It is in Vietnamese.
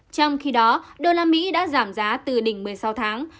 trong khi đó đô la mỹ đã giảm giá từ đỉnh một mươi sáu tháng